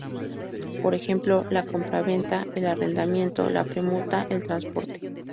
Por ejemplo, la compraventa, el arrendamiento, la permuta, el transporte.